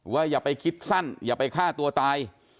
อย่าไปคิดสั้นอย่าไปฆ่าตัวตาย